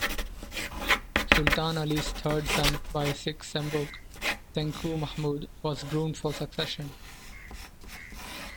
Sultan Ali's third son by Cik Sembuk, Tengku Mahmud was groomed for succession.